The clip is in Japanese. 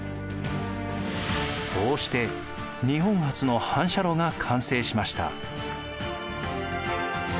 こうして日本初の反射炉が完成しました。